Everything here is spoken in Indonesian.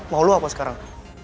mau lu apa sekarang